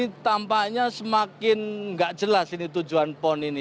ini tampaknya semakin nggak jelas ini tujuan pon ini